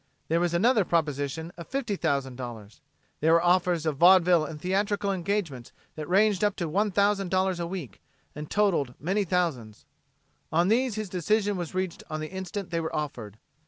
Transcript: There was another proposition of $50,000. There were offers of vaudeville and theatrical engagements that ranged up to $1,000 a week, and totaled many thousands. On these his decision was reached on the instant they were offered.